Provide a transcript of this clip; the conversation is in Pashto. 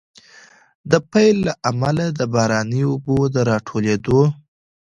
د پيل له امله، د باراني اوبو د راټولېدو